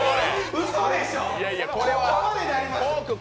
うそでしょ！